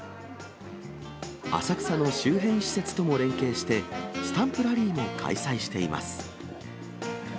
浅草の周辺施設とも連携して、スタンプラリーも開催しています。